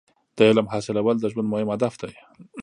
• د علم حاصلول د ژوند مهم هدف دی.